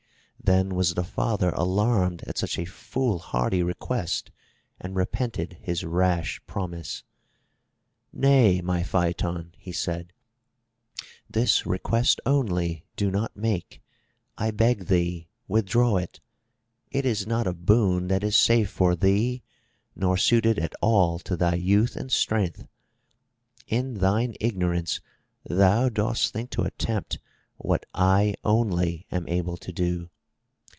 Then was the father alarmed at such a foolhardy request and repented his rash promise. "Nay, my Phaeton," he said. "This request only do not make. I beg thee withdraw it. It is not a boon that is safe for thee nor suited at all to thy youth and strength. In thine ignorance thou dost think to attempt what I only am able to do.